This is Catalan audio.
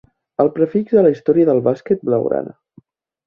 El prefix de la història del bàsquet blaugrana.